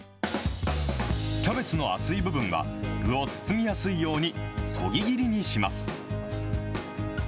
キャベツの厚い部分は具を包みやすいように、そぎ切りにします。